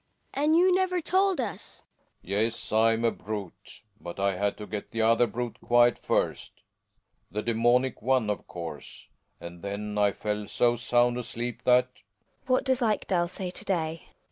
Hedvig. And you never told us ! Relling. Yes, I'm a brute — but I had to get the other brute quiet first — the daemonic one , of course — and then I fell so sound asleep that GiNA. What does Ekdal say to day